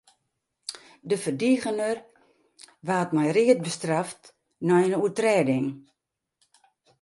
De ferdigener waard mei read bestraft nei in oertrêding.